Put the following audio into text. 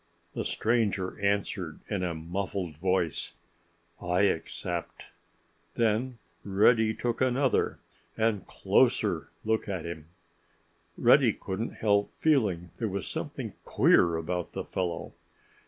The stranger answered in a muffled voice, "I accept." Then Reddy took another—and closer—look at him. Reddy couldn't help feeling there was something queer about the fellow.